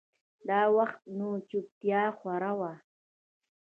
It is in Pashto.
دا وخت نو چوپتيا خوره وه.